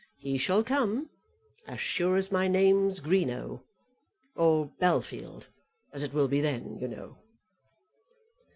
He shall come, as sure as my name's Greenow, or Bellfield, as it will be then, you know."